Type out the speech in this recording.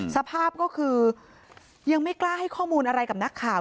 สภาพก็คือยังไม่กล้าให้ข้อมูลอะไรกับนักข่าว